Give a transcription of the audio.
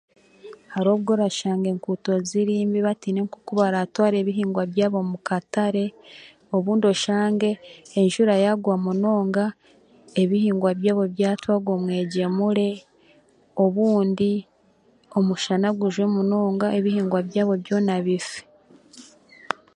Hariho obu orashanga enkuuto ziri mbi batiine oku baraatware ebihingwa byabo mu katare, obundi oshange enjura yaagwa munonga, ebihingwa byabo byatwarwa omwegyemure, obundi omushana gujwe munonga ebihingwa byabo byona bife.